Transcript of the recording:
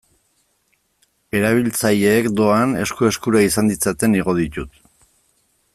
Erabiltzaileek, doan, esku-eskura izan ditzaten igo ditut.